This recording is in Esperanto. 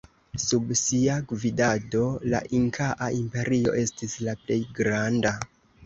Sub sia gvidado la inkaa imperio estis la plej granda.